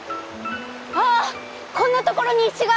あっこんなところに石が！